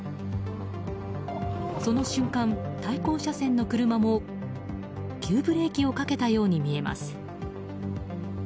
その瞬間、対向車線の車も急ブレーキをかけたように見えます。